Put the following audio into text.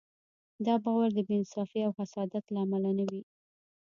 دا باور د بې انصافۍ او حسادت له امله نه دی.